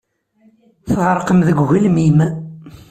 Tɣerqem deg ugelmim.